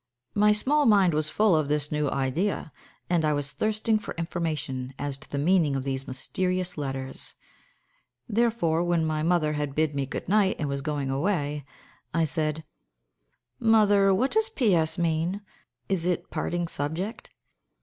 My small mind was full of this new idea, and I was thirsting for information as to the meaning of these mysterious letters. Therefore, when my mother had bid me good night and was going away, I said, "Mother, what does P.S. mean; is it Parting Subject?"